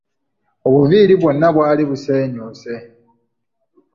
Obuviiri bwonna bwali buseenyuuse.